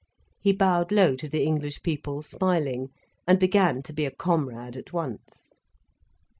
He bowed low to the English people, smiling, and began to be a comrade at once.